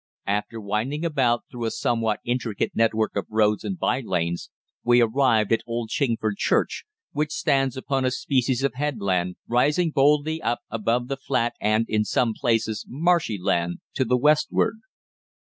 After winding about through a somewhat intricate network of roads and by lanes we arrived at Old Chingford Church, which stands upon a species of headland, rising boldly up above the flat and, in some places, marshy land to the westward.